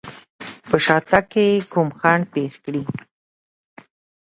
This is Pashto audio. په شاتګ کې کوم خنډ پېښ کړي.